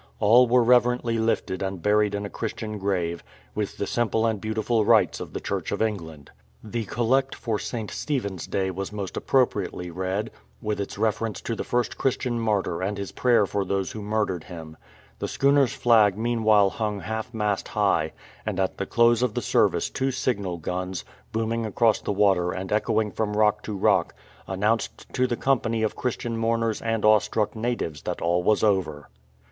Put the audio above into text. All were reverently lifted and buried in a Christian grave, with the simple and beautiful rites of the Church of England. The collect for St. Stephen^s Day was most appropriately read, with its reference to tlie first Christian martyi' and his prayer for those who murdered liim. The schooner's flag meanwhile hung half mast high, and at the close of the service two signal guns, booming across the water and echoing from rock to rock, announced to the company of Christian mouiners and awestruck natives that all was over.